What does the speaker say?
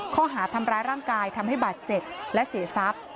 ข้อหาทำร้ายร่างกายทำให้บาดเจ็บและเสียทรัพย์